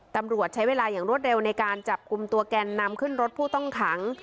ตำรวจใช้เวลาอย่างรวดเร็วในการจับกลุ่มตัวแกนนำขึ้นรถผู้ต้องขัง